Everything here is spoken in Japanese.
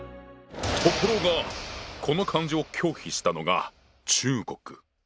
この漢字を拒否したのが中国！